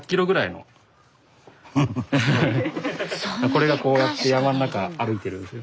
これがこうやって山の中歩いてるんです。